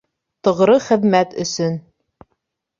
— Тоғро хеҙмәт өсөн.